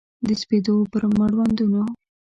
د سپېدو پر مړوندونو